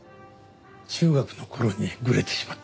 中学の頃にぐれてしまってね